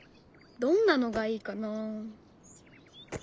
どんなのがいいかな？